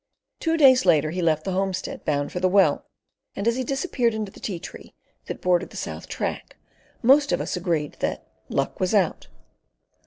Two days later he left the homestead bound for the well, and as he disappeared into the Ti Tree that bordered the south track, most of us agreed that "luck was out."